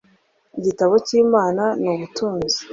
Igitabo cy imana ni ubutunzi